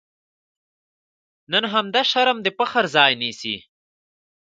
نن همدا شرم د فخر ځای نیسي.